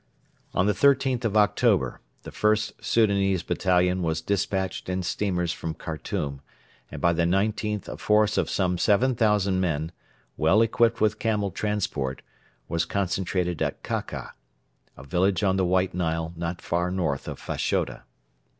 On the 13th of October the first Soudanese battalion was despatched in steamers from Khartoum, and by the 19th a force of some 7,000 men, well equipped with camel transport, was concentrated at Kaka, a village on the White Nile not far north of Fashoda.